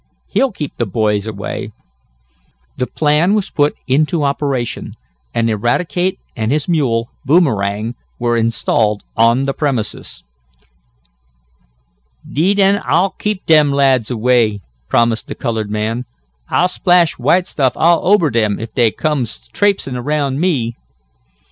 He'll keep the boys away." The plan was put into operation, and Eradicate and his mule, Boomerang, were installed on the premises. "Deed an' Ah'll keep dem lads away," promised the colored man. "Ah'll splash white stuff all ober 'em, if dey comes traipsin' around me."